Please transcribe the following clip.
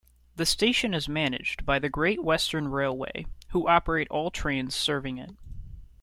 The station is managed by Great Western Railway, who operate all trains serving it.